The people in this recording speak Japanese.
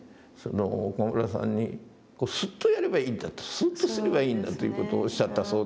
岡村さんにこう「スッとやればいいんだ」と「スッとすればいいんだ」という事をおっしゃったそうですけども。